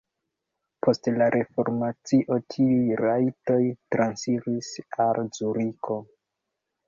Post la reformacio tiuj rajtoj transiris al Zuriko.